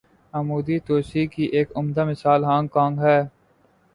عمودی توسیع کی ایک عمدہ مثال ہانگ کانگ ہے۔